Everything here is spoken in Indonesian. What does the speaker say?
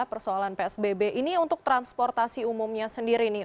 persoalan psbb ini untuk transportasi umumnya sendiri nih